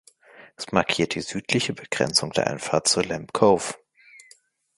Es markiert die südliche Begrenzung der Einfahrt zur Lampe Cove.